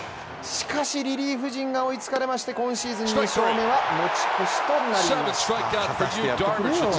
しかしリリーフが追いつかれ今シーズン２勝目は持ち越しとなりました。